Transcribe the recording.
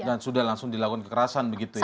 dan sudah langsung dilakukan kekerasan begitu ya